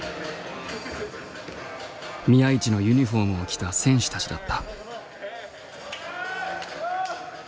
宮市のユニフォームを着た選手たちだった。